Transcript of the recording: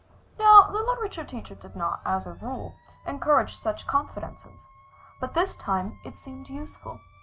Now the literature teacher did not, as a rule, encourage such confidences, but this time it seemed useful.